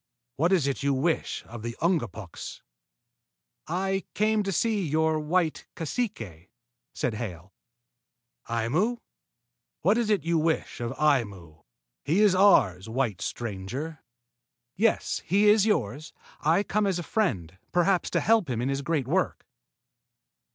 What is it you wish of the Ungapuks?" "I came to see your white cacique," said Hale. "Aimu? What is it you wish of Aimu? He is ours, white stranger." "Yes, he is yours. I come as a friend, perhaps to help him in his great work."